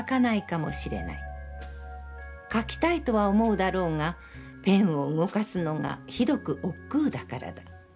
書きたいとは思うだろうが、ペンを動かすのがひどく億劫だからだ。